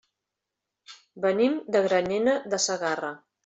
Venim de Granyena de Segarra.